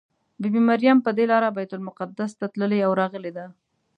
بي بي مریم پر دې لاره بیت المقدس ته تللې او راغلې ده.